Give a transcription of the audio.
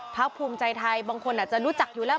ภูมิใจไทยบางคนอาจจะรู้จักอยู่แล้ว